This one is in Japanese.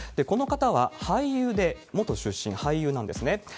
この方は俳優で、元出身、俳優なんですね。